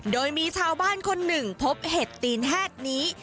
โดยมีชาวบ้านคนหนึ่งพบเห็ดตีนแฮดนี้